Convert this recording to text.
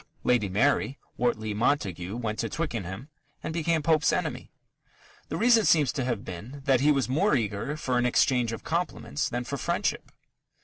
Lady Mary, Wortley Montagu went to Twickenham and became Pope's enemy. The reason seems to have been that he was more eager for an exchange of compliments than for friendship.